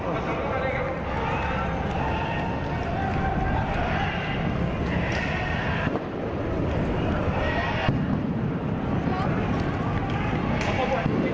เพราะตอนนี้ก็ไม่มีเวลาให้เข้าไปที่นี่